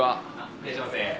いらっしゃいませ。